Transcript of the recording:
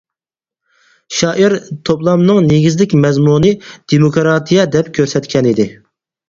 شائىر، توپلامنىڭ نېگىزلىك مەزمۇنى «دېموكراتىيە» دەپ كۆرسەتكەنىدى.